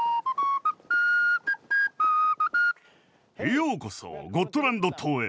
ようこそゴットランド島へ。